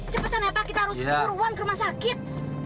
cepetan ya pak kita harus turun ke rumah sakit